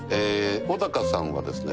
小高さんはですね